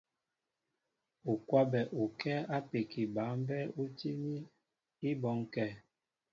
U kwabɛ ukɛ́ɛ́ ápeki ba mbɛ́ɛ́ ú tíní í bɔ́ŋkɛ̄.